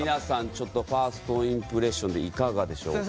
ちょっとファーストインプレッションでいかがでしょう？